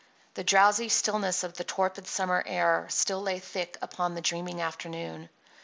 The drowsy stillness of the torpid summer air still lay thick upon the dreaming afternoon.